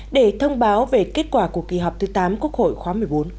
để thông báo về kết quả của kỳ họp thứ tám quốc hội khóa một mươi bốn